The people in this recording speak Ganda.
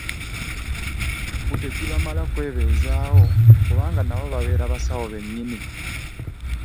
Mbu tegibamala kwebeezaawo kubanga nabo babeera basawo bennyini.